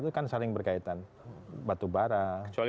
itu kan saling berkaitan batu bara